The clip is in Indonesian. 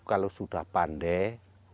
kalau sudah pandai